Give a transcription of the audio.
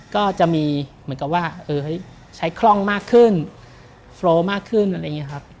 ก็จะมีเหมือนกับว่าใช้คล่องมากขึ้นโฟลมากขึ้นอะไรอย่างนี้ครับ